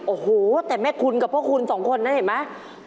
โอ้โหแต่แม่คุณกับพวกคุณสองคนนั้นเห็นไหม